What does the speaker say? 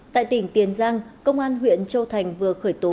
tại tỉnh tiền giang công an huyện châu thành vừa khởi tố